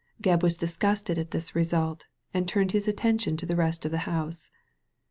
Gebb was dis gusted at this result and turned his attention to the rest of the house.